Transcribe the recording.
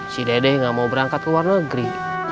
si dede gak mau berangkat ke luar negeri